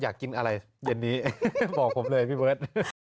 อยากกินอะไรเย็นนี้บอกผมเลยพี่เบิร์ต